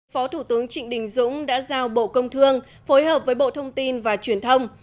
phó thủ tướng trịnh đình dũng đã giao bộ công thương phối hợp với bộ thông tin và truyền thông